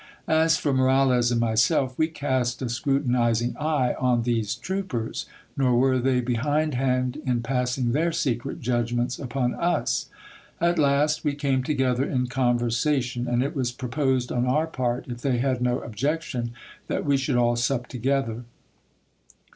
As for Moralez and myself, we cast a scrutinizing eye on these troopers, nor were they behindhand in passing their secret judgments upon us. At last we came together in conversation, and it was proposed on our part, if they had no objection, that we should all sup together.